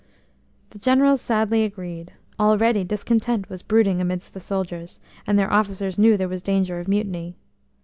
The Generals sadly agreed; already discontent was brooding amidst the soldiers, and their officers knew there was danger of mutiny.